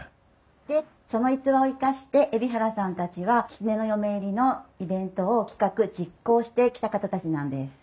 でその逸話を生かして海老原さんたちはきつねの嫁入りのイベントを企画実行してきた方たちなんです。